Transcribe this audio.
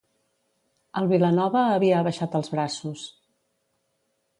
El Vilanova havia abaixat els braços.